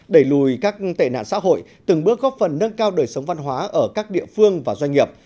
đẩy lùi các tệ nạn xã hội từng bước góp phần nâng cao đời sống văn hóa ở các địa phương và doanh nghiệp